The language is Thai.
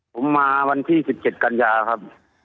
ผมมาวันที่๑๗กันยาครับ